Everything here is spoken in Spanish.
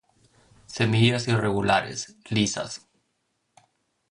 Semillas irregulares, lisas.